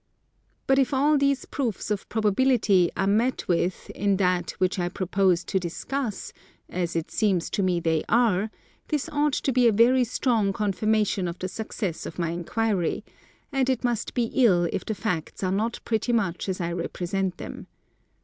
But if all these proofs of probability are met with in that which I propose to discuss, as it seems to me they are, this ought to be a very strong confirmation of the success of my inquiry; and it must be ill if the facts are not pretty much as I represent them.